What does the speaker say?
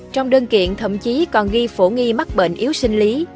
trong đơn kiện thậm chí còn ghi phổ nghi mắc bệnh yếu sinh lý